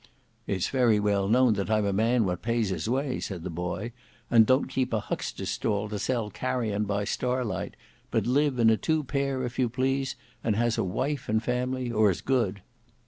"It's very well known that I'm a man what pays his way," said the boy, "and don't keep a huckster's stall to sell carrion by star light; but live in a two pair, if you please, and has a wife and family, or as good."